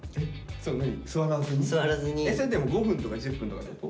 それでも５分とか１０分とかってこと？